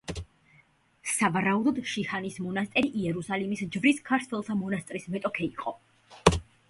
სავარაუდოდ შიჰანის მონასტერი იერუსალიმის ჯვრის ქართველთა მონასტრის მეტოქი იყო.